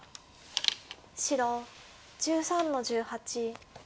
白１３の十八。